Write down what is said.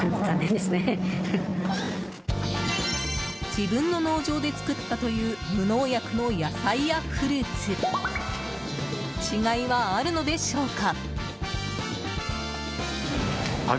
自分の農場で作ったという無農薬の野菜やフルーツ違いはあるのでしょうか。